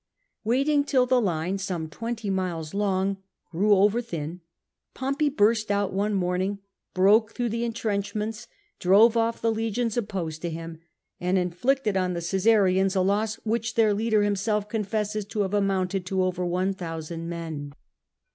Waiting till the line— some twenty miles long — grew over thin, Pompey burst out one morning, broke through the entrenchments, drove off the legions opposed to him, and indicted on the Oajsarians a loss which their leader himself confesses to have amounted to over 1000 men.